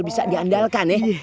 bisa diandalkan ya